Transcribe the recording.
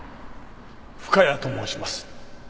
深谷と申します。